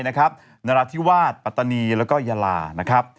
นรัฐิวาสปัตตานีและยาลา